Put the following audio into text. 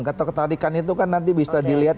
ketua ketarikan itu kan nanti bisa dilihat